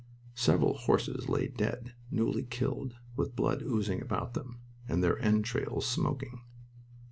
Several horses lay dead, newly killed, with blood oozing about them, and their entrails smoking.